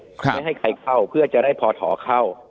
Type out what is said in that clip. ไม่ให้ใครเข้าเพื่อจะได้พอถอเข้า